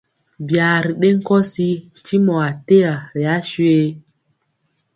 Byaa ri ɗe nkɔsi ntimɔ ateya ri asuye?